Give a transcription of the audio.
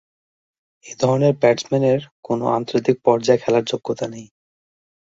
এ ধরনের ব্যাটসম্যানের কোন আন্তর্জাতিক পর্যায়ে খেলার যোগ্যতা নেই।